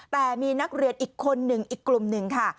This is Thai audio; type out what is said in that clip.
แต่มีนักเรียนอีกคนหนึ่งอีกกลุ่มหนึ่งค่ะ